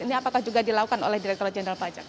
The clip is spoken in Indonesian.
ini apakah juga dilakukan oleh direktur jenderal pajak